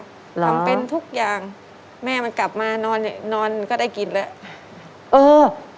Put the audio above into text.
ทำเป็นทุกอย่างเม่าันกลับมานอนก็ได้กินแล้วครับอ๋อ